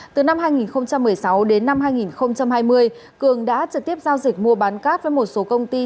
từ năm hai nghìn một mươi sáu đến năm hai nghìn hai mươi cường đã trực tiếp giao dịch mua bán cát với một số công ty